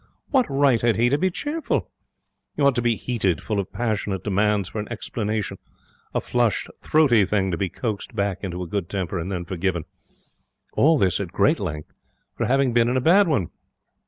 What right had he to be cheerful? He ought to be heated, full of passionate demands for an explanation a flushed, throaty thing to be coaxed back into a good temper and then forgiven all this at great length for having been in a bad one.